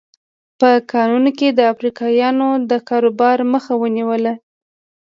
په کانونو کې یې د افریقایانو د کاروبار مخه ونیوله.